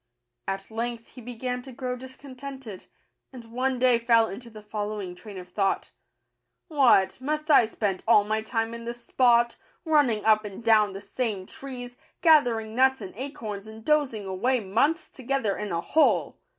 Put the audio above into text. At length he began to grow dis contented, and one day fell into the following train of thought :—" What, must I spend all my time in this spot, running up and down the same trees, gathering nuts and acorns, and dozing away months together in a hole!